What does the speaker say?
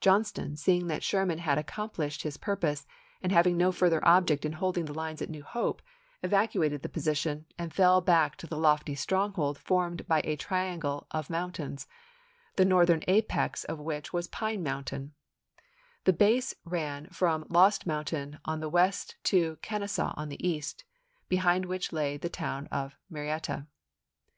John ston, seeing that Sherman had accomplished his purpose, and having no further object in holding the lines at New Hope, evacuated that position and fell back to the lofty stronghold formed by a tri angle of mountains, the northern apex of which was Pine Mountain; the base ran from Lost 20 ABKAHAM LINCOLN Sherman, "Memoirs.' Vol. II., pp. 51, 52. Mountain on the west to Kenesaw on the east, be hind which lay the town of Marietta.